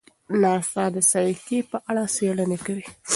ناسا د سایکي په اړه څېړنې کوي.